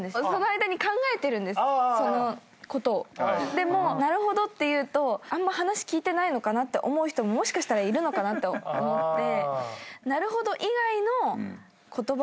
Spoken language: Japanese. でも「なるほど」って言うと「あんま話聞いてないのかな」って思う人ももしかしたらいるのかなと思って「なるほど」以外の言葉をないかなって思って。